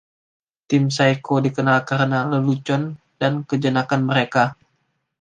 Tim Saeco dikenal karena lelucon dan kejenakaan mereka.